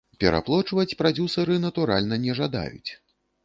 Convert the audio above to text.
Пераплочваць прадзюсары, натуральна, не жадаюць.